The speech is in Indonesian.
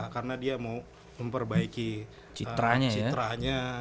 karena dia mau memperbaiki citranya